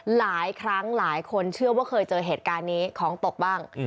หลายครั้งหลายคนเชื่อว่าเคยเจอเหตุการณ์นี้ของตกบ้าง